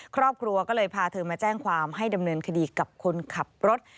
ครอบครัวก็เลยพาเธอมาแจ้งความให้ดำเนินคดีกับคนขับรถ